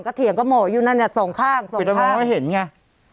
เถียงกับหมออยู่นั่นน่ะสองข้างสองข้างไม่เห็นไง